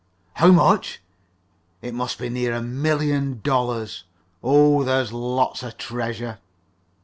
"How much? It must be near a million dollars. O h, there's lots of treasure!"